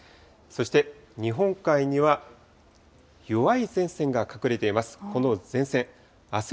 そして日本海には弱い前線が隠れています。